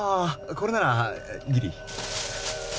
これならギリあ